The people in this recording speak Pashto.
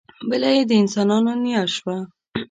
بله یې د انسانانو نیا شوه.